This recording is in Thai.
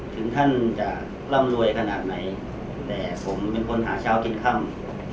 ถึงท่านจะร่ำรวยขนาดไหนแต่ผมเป็นคนหาเช้ากินค่ำ